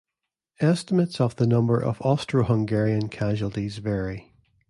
Estimates of the number of Austro-Hungarian casualties vary.